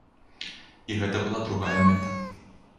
І гэта была другая мэта.